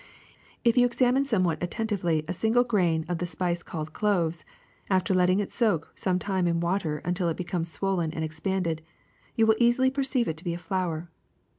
^'If you examine some what attentively a single grain of the 3pice called cloves, after letting it soak some time in water until it becomes swollen and expanded, you will easily perceive it to be a flower.